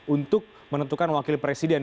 untuk menentukan wakil presiden